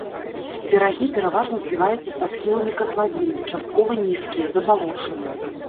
Берагі пераважна зліваюцца са схіламі катлавіны, часткова нізкія, забалочаныя.